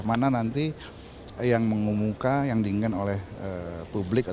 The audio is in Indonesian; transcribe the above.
mana nanti yang mengumumkan yang diinginkan oleh publik